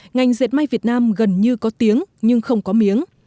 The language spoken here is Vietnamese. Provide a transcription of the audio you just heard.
ngành dệt may việt nam gần như có tiếng nhưng không có miếng